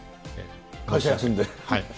会社休んで？